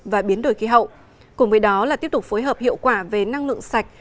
và biến đổi khí hậu cùng với đó là tiếp tục phối hợp hiệu quả về năng lượng sạch